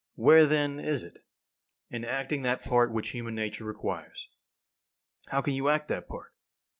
Where, then, is it? In acting that part which human nature requires. How can you act that part?